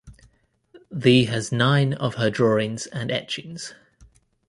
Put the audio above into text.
The has nine of her drawings and etchings.